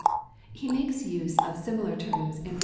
He makes use of similar terms in Rom.